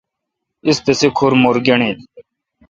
اس تسے کھر مُر گݨڈیل۔